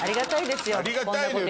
ありがたいですよ。